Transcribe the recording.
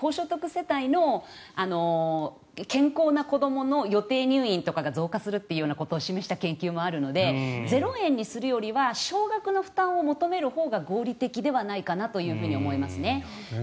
世帯の健康な子どもの予定入院とかが増加するということを示した研究もあるので０円にするよりは少額の負担を求めるほうが合理的ではないかなというふうに思いますね。